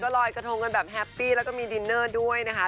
ลอยกระทงกันแบบแฮปปี้แล้วก็มีดินเนอร์ด้วยนะคะ